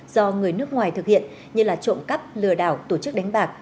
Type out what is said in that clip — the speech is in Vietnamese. do người nước ngoài thực hiện như là trộm cắt lừa đảo tổ chức đánh bạc